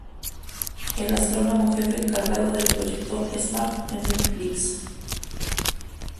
El astrónomo jefe encargado del proyecto es Mark M. Phillips.